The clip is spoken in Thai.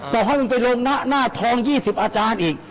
ต้องให้มันไปโรงหน้าหน้าทอง๒๐อาจารย์อีก